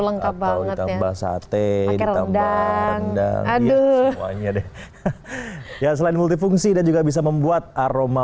lengkap banget ya bahwa sate keren dan aduh ya selain multifungsi dan juga bisa membuat aroma